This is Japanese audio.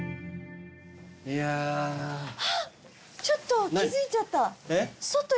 ちょっと気付いちゃった。